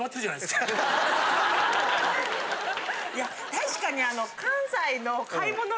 確かに。